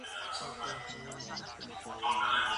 کله چي واښه په تنور کي وغورځول سي سوځي.